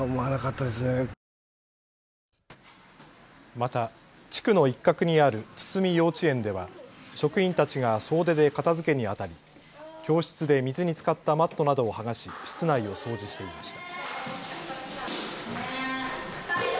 また地区の一角にあるつつみ幼稚園では職員たちが総出で片づけにあたり教室で水につかったマットなどを剥がし室内を掃除していました。